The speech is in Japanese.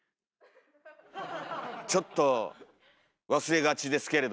ちょっと忘れがちですけれども。